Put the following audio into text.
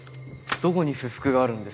どこに不服があるんですか？